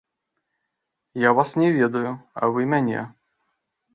Я вас не ведаю, а вы мяне.